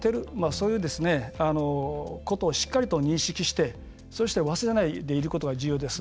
そういうことをしっかりと認識して、そして忘れないでいることが重要です。